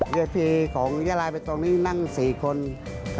ยืดทีของยาลาเบตตรงนี้นั่ง๔คนคน๒๐๐